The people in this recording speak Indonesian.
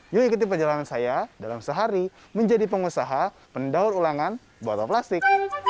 yuk ikuti perjalanan saya dalam sehari menjadi pengusaha pendaur ulangan botol plastik